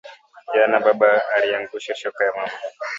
Jana baba ariangusha shoka ya mama